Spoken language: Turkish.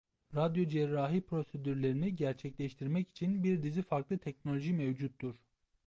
Radyocerrahi prosedürlerini gerçekleştirmek için bir dizi farklı teknoloji mevcuttur.